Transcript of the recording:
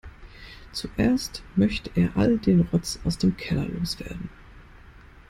Zuerst möchte er all den Rotz aus dem Keller loswerden.